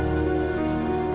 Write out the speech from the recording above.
aku masih bercinta sama kamu